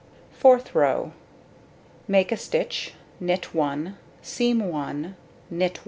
Fourth row: Make a stitch, knit 1, seam 1, knit 1.